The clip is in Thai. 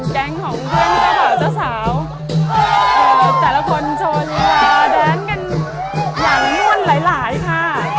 เจ้าสาวเจ้าสาวเอ่อแต่ละคนโชว์ดีลาแดนส์กันอย่างน่วนหลายหลายค่ะ